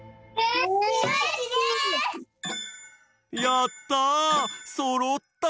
やった！